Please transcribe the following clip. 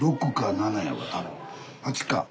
８か。